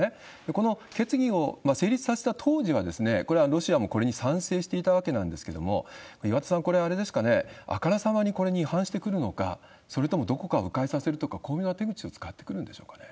この決議を成立させた当時は、ロシアもこれに賛成していたわけなんですけれども、岩田さん、これ、あれですかね、あからさまにこれに違反してくるのか、それともどこかう回させるとか、巧妙な手口を使ってくるんでしょ